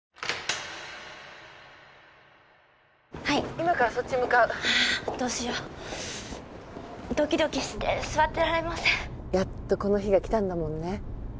☎今からそっち向かうあどうしようドキドキして座ってられませんやっとこの日が来たんだもんね